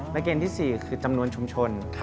และเกณฑ์ที่๔คือจำนวนชุมชน